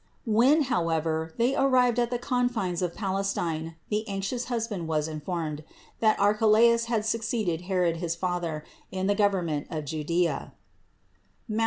When, how ever, They arrived at the confines of Palestine the anxious husband was informed, that Archelaus had succeeded Herod his father in the government of Judea (Matth.